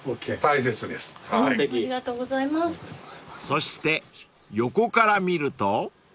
［そして横から見ると］